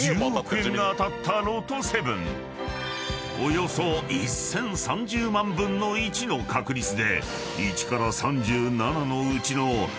［およそ１，０３０万分の１の確率で］